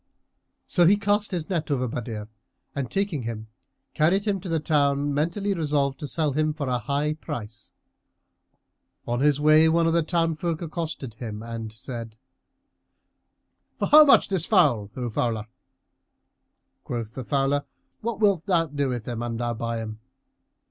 So he cast his net over Badr and taking him, carried him to the town, mentally resolved to sell him for a high price. On his way one of the townsfolk accosted him and said, "For how much this fowl, O fowler?" Quoth the fowler, "What wilt thou do with him an thou buy him?"